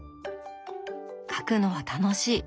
描くのは楽しい。